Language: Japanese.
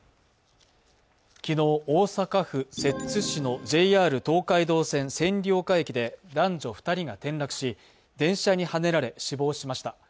昨日、大阪府摂津市のＪＲ東海道線・千里丘駅で、男女２人が転落し電車にはねられ死亡しました。